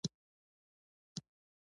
پېچ شپاړس میتره اوږدوالی لري.